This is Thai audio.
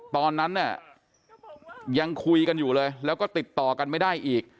ตอนนั้นเนี่ยยังคุยกันอยู่เลยแล้วก็ติดต่อกันไม่ได้อีก